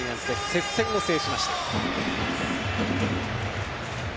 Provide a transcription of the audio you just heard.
接戦を制しました。